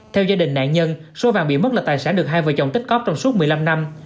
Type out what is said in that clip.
theo gia đình nạn nhân số vàng bị mất là tài sản được hai vợ chồng tích cóp trong suốt một mươi năm năm